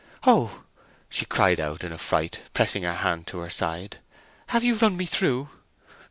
"Oh!" she cried out in affright, pressing her hand to her side. "Have you run me through?